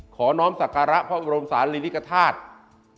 ขอน้องสการะพระบรมศาลิริกธาตุ